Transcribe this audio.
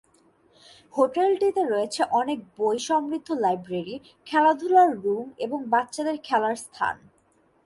হোটেলটিতে রয়েছে অনেক বই সমৃদ্ধ লাইব্রেরী, খেলাধুলার রুম এবং বাচ্চাদের খেলার স্থান।